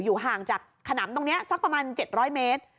ห่างจากขนำตรงนี้สักประมาณ๗๐๐เมตร